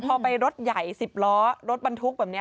พอไปรถใหญ่๑๐ล้อรถบรรทุกแบบนี้